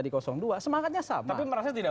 di dua semangatnya sama tapi merasa tidak